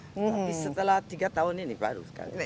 tapi setelah tiga tahun ini baru sekali